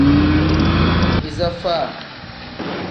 Iza faa.